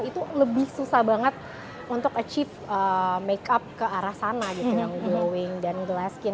itu lebih susah banget untuk achieve make up ke arah sana gitu yang glowing dan glaskin